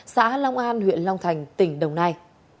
xã long an huyện long thành tỉnh đồng nai